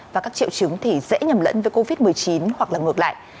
và các triệu chứng thì dễ nhầm lẫn với covid một mươi chín hoặc là ngược lại